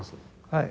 はい。